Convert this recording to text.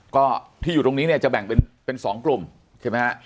ก็ที่อยู่ตรงนี้เนี่ยจะแบ่งเป็น๒กลุ่มใช่ไหมฮะ